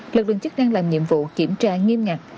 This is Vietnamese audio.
lực lượng chức năng làm nhiệm vụ kiểm tra nghiêm ngặt